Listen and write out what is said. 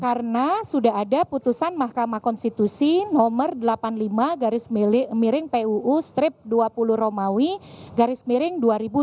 karena sudah ada putusan mahkamah konstitusi nomor delapan puluh lima garis miring puu strip dua puluh romawi garis miring dua ribu dua puluh dua